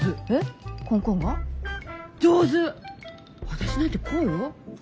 私なんてこうよ。ほら。